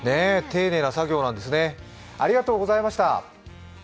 丁寧な作業なんですねありがとうございました。